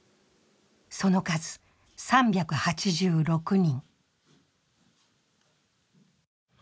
その数、３８６人。